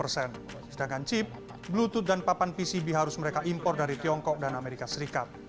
sedangkan chip bluetoot dan papan pcb harus mereka impor dari tiongkok dan amerika serikat